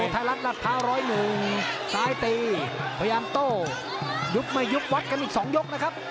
ซ้ายหนูซ้ายตีพยามโต้ยุบไม่ยุบวัดกันอีกสองยกนะครับ